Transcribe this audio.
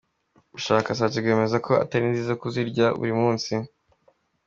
Ubushakashyatsi bwemeza ko atari nziza kuzirya buri munsi.